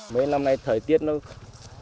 mấy năm nay thời tiết nó khó